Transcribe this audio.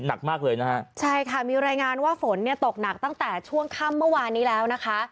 หนักมากเลยนะฮะใช่ค่ะมีรายงานว่าฝนเนี่ยตกหนักตั้งแต่ช่วงค่ำเมื่อวานนี้แล้วนะคะ